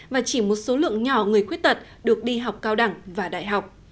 và chỉ một số lượng nhỏ người khuyết tật được đi học cao đẳng và đại học